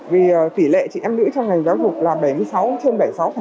vì tỷ lệ chị em nữ trong ngành giáo dục là bảy mươi sáu trên bảy mươi sáu